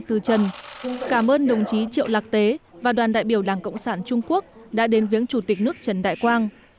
từ trần cảm ơn đồng chí triệu lạc tế và đoàn đại biểu đảng cộng sản trung quốc đã đến viếng chủ tịch nước trần đại quang